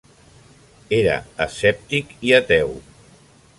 Era escèptic i ateu.